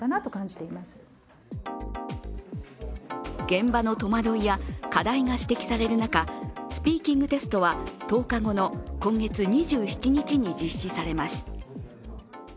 現場の戸惑いや課題が指摘される中、スピーキングテストは１０日後の今月２７日に実施されます。